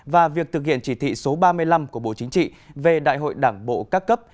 và việc thực hiện chỉ thị số ba mươi năm của bộ chính trị về đại hội đảng bộ các cấp